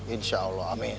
insya allah amin